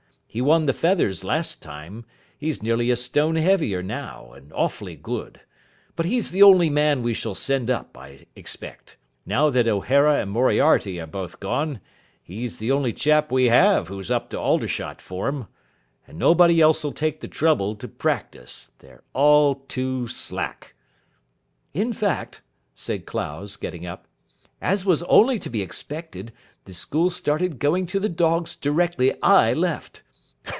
He won the Feathers last time. He's nearly a stone heavier now, and awfully good. But he's the only man we shall send up, I expect. Now that O'Hara and Moriarty are both gone, he's the only chap we have who's up to Aldershot form. And nobody else'll take the trouble to practice. They're all too slack." "In fact," said Clowes, getting up, "as was only to be expected, the school started going to the dogs directly I left.